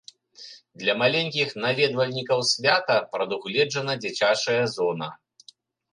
Для маленькіх наведвальнікаў свята прадугледжана дзіцячая зона.